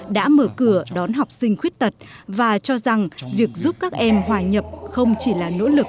đã mở cửa đón học sinh khuyết tật và cho rằng việc giúp các em hòa nhập không chỉ là nỗ lực